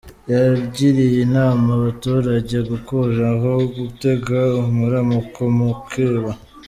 Yagiriye inama abaturage gukora aho gutega amaramuko mu kwiba.